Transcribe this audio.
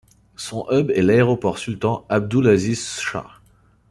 Son hub est l'aéroport Sultan Abdul Aziz Shah.